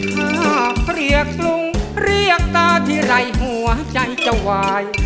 ถ้าเปรียบลุงเรียกตาทีไรหัวใจจะวาย